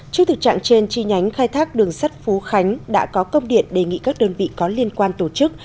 trước thực trạng trên chi nhánh khai thác đường sắt phú khánh đã có công điện đề nghị các đơn vị có liên quan tổ chức